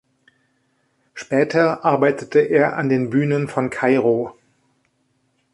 Später arbeitete er an den Bühnen von Kairo.